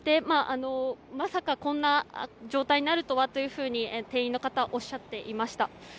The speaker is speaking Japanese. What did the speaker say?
まさかこんな状態になるとはと店員の方はおっしゃっていました。